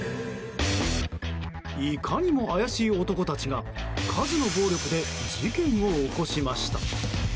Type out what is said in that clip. いかにも怪しい男たちが数の暴力で事件を起こしました。